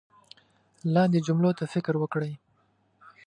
لاندې جملو ته فکر وکړئ